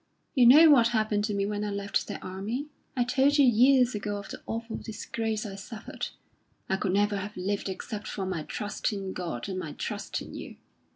You know what happened to me when I left the army. I told you years ago of the awful disgrace I suffered. I could never have lived except for my trust in God and my trust in you.